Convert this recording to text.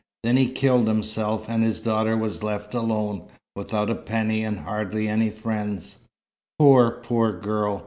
Then he killed himself, and his daughter was left alone, without a penny and hardly any friends " "Poor, poor girl!